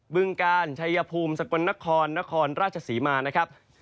ึงกาลชัยภูมิสกลนครนครราชศรีมานะครับ